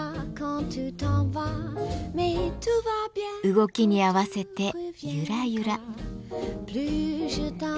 動きに合わせてゆらゆら。